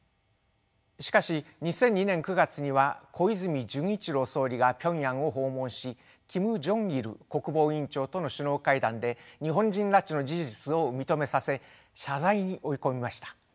しかし２００２年９月には小泉純一郎総理がピョンヤンを訪問しキム・ジョンイル国防委員長との首脳会談で日本人拉致の事実を認めさせ謝罪に追い込みました。